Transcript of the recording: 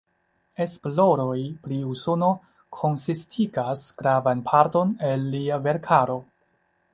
Esploroj pri Usono konsistigas gravan parton el lia verkaro.